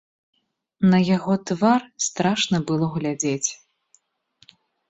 На яго твар страшна было глядзець.